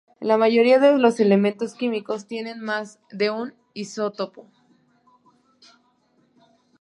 La mayoría de los elementos químicos tienen más de un isótopo.